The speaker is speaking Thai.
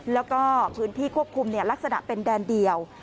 แล้วก็พื้นที่ควบคุมลักษณะเป็นแดนเดียว